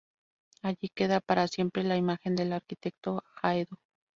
Allí queda para siempre la imagen del arquitecto Haedo.